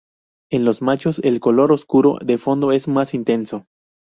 En los machos el color oscuro de fondo es más intenso.